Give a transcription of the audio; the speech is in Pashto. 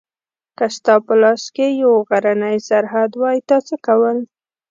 که ستا په لاس کې یو غرنی سرحد وای تا څه کول؟